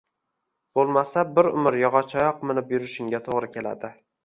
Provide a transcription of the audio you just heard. Boʻlmasa, bir umr yogʻochoyoq minib yurishingga toʻgʻri keladi.